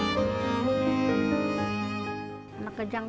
ketika dikejar kejangan